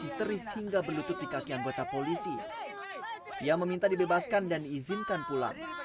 histeris hingga berlutut di kaki anggota polisi yang meminta dibebaskan dan izinkan pulang